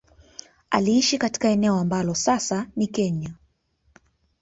Aliishi katika eneo ambalo sasa ni Kenya